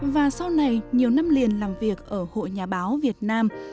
và sau này nhiều năm liền làm việc ở hội nhà báo việt nam